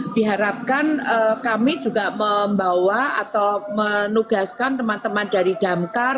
diharapkan kami juga membawa atau menugaskan teman teman dari damkar